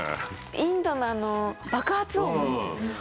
インドのあの爆発音のやつ。